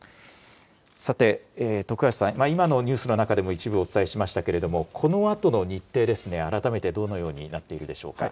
さて徳橋さん、今のニュースの中でも一部お伝えしましたけれどもこのあとの日程、改めてどのようになっているでしょうか。